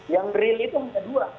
yang real itu hanya dua